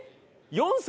４歳！？